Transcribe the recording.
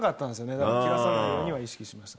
だから切らさないようには意識してました。